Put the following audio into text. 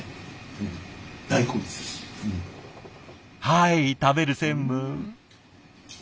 はい食べる専務。